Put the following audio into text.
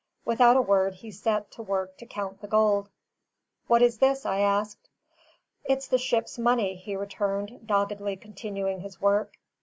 Without a word, he set to work to count the gold. "What is this?" I asked. "It's the ship's money," he returned, doggedly continuing his work.